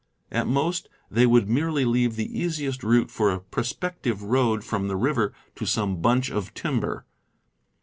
At most, they would merely mark the easi est route for a prospective road from the river to some "bunch" of timber.